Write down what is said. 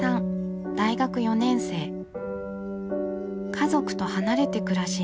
家族と離れて暮らし